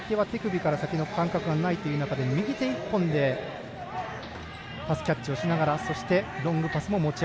池は左手は手首から先の感覚がないという中で右手１本でパスキャッチをしながらロングパスも持ち味。